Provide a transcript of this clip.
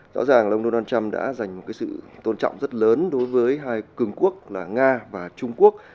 đó là lòng đối đoàn trump đã dành một sự tôn trọng rất lớn đối với hai cường quốc là nga và trung quốc